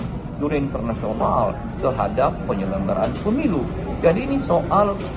kepercayaan juri internasional terhadap penyelenggaraan pemilu jadi ini soal